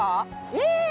えっ！